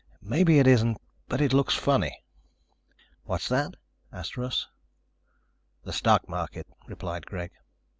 Maybe it isn't, but it looks funny." "What's that?" asked Russ. "The stock market," replied Greg.